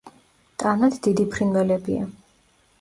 ტანად დიდი ფრინველებია.